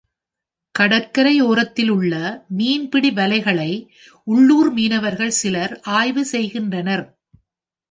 கடற்கரையோரத்திலுள்ள மீன்பிடிவலைகளை உள்ளூர் மீனவர்கள் சிலர் ஆய்வு செய்கின்றனர்.